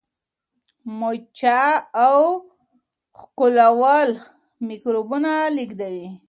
مچه او ښکلول میکروبونه لیږدوي.